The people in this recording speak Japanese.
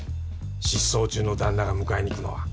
失踪中の旦那が迎えに行くのは。